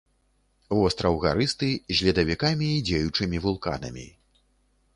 Востраў гарысты, з ледавікамі і дзеючымі вулканамі.